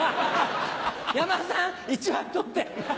山田さん１枚取って。